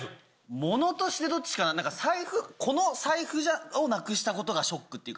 ものとしては、この財布をなくしたことがショックというか。